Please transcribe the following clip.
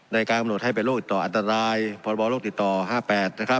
ในการตรวจให้เป็นโรคเจลอาตรายพบโรคติดต่อห้าแปด